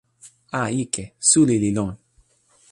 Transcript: a, ike. suli li lon.